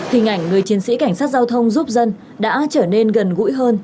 hình ảnh người chiến sĩ cảnh sát giao thông giúp dân đã trở nên gần gũi hơn